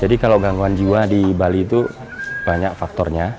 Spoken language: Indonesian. kalau gangguan jiwa di bali itu banyak faktornya